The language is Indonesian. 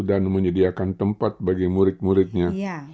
dan menyediakan tempat bagi murid muridnya